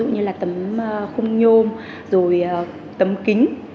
như là tấm khung nhôm rồi tấm kính